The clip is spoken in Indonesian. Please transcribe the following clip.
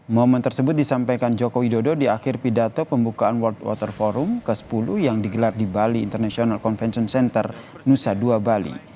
momen tersebut disampaikan joko widodo di akhir pidato pembukaan world water forum ke sepuluh yang digelar di bali international convention center nusa dua bali